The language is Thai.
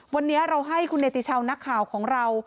วันนี้เราให้คุณเนติชาวนักข่าวของเรา